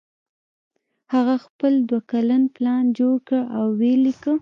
هغه خپل دوه کلن پلان جوړ کړ او ویې لیکه